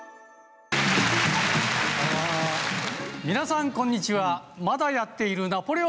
皆さん、こんにちは。